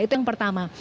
itu yang pertama